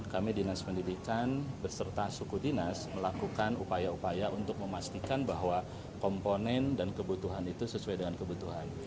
kami dinas pendidikan beserta suku dinas melakukan upaya upaya untuk memastikan bahwa komponen dan kebutuhan itu sesuai dengan kebutuhan